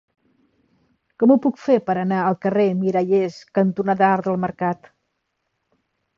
Com ho puc fer per anar al carrer Mirallers cantonada Arc del Mercat?